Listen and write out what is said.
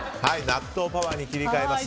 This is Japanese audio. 納豆パワーに切り替えます。